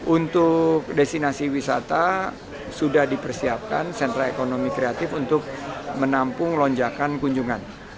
untuk destinasi wisata sudah dipersiapkan sentra ekonomi kreatif untuk menampung lonjakan kunjungan